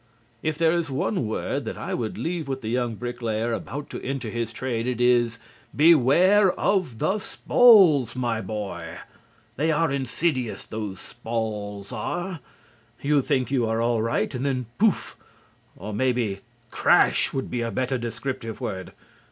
If there is one word that I would leave with the young bricklayer about to enter his trade it is "Beware of the spawls, my boy." They are insidious, those spawls are. You think you are all right and then pouf! Or maybe "crash" would be a better descriptive word.